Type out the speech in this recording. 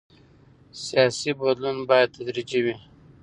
سیاسي بدلون باید تدریجي وي